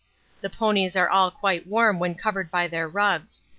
The ponies are all quite warm when covered by their rugs.